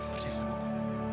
percaya sama aku